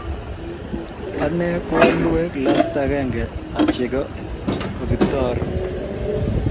ane ko a lue glasit akenge ab chego koKiptooo a ru